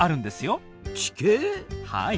はい。